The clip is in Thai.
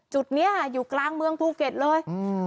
จุดนี้อยู่กลางเมืองภูเก็ตเลย